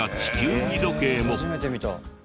初めて見た。